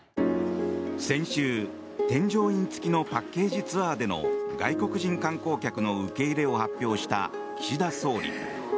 先週、添乗員付きのパッケージツアーでの外国人観光客の受け入れを発表した岸田総理。